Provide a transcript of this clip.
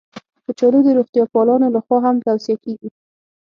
کچالو د روغتیا پالانو لخوا هم توصیه کېږي